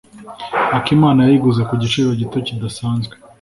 Akimana yayiguze ku giciro gito kidasanzwe.